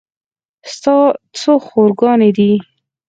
ستا څو خور ګانې دي